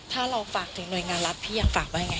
ถ้าเราฝากถึงหน่วยงานรัฐพี่ยังฝากว่ายังไง